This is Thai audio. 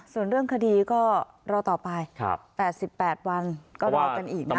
ส่วนเรื่องคดีก็รอต่อไป๘๘วันก็รอกันอีกนะ